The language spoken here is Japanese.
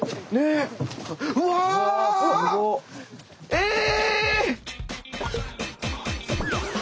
ええ！